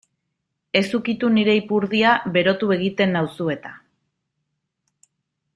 Ez ukitu nire ipurdia berotu egiten nauzu eta.